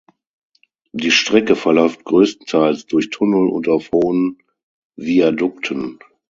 Die Strecke verläuft größtenteils durch Tunnel und auf hohen Viadukten.